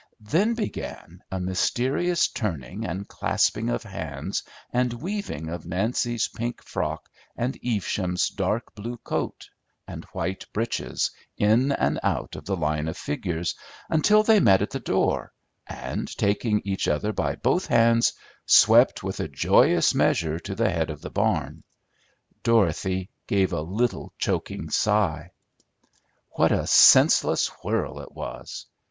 Then began a mysterious turning and clasping of hands, and weaving of Nancy's pink frock and Evesham's dark blue coat and white breeches in and out of the line of figures, until they met at the door, and, taking each other by both hands, swept with a joyous measure to the head of the barn. Dorothy gave a little choking sigh. What a senseless whirl it was.